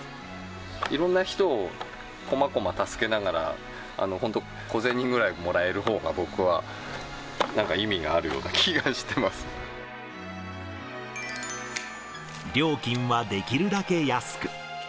いろんな人をこまこま助けながら、本当、小銭ぐらいもらえる方が、僕はなんか意味があるような気がしてま料金はできるだけ安く。